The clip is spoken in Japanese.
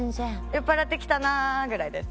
酔っ払ってきたなぐらいです。